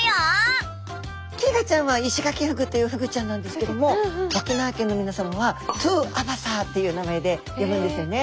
キィガーちゃんはイシガキフグというフグちゃんなんですけども沖縄県の皆さんはトゥアバサーっていう名前で呼ぶんですよね。